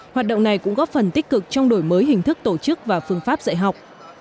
hoạt động này cũng góp phần tích cực trong đổi mới hình thức tổ chức và phương pháp dạy học